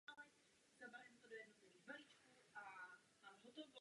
Je čestným rytířem Maltézského řádu.